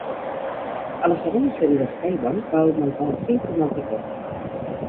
A la segona sèrie de Sky One, va augmentar a cinc un altre cop.